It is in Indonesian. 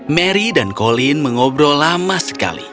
mary dan colin mengobrol lama sekali